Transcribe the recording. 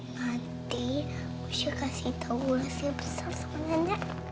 nanti usya kasih tau rahasia besar sama nenek